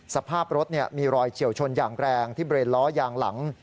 สภาพรถมีรอยเฉียวชนอย่างแรงที่เบรนล้อยางหลัง